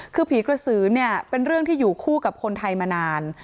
คือผีกระสือเนี่ยเป็นเรื่องที่อยู่คู่กับคนไทยมานาน